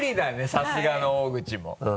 さすがの大口も。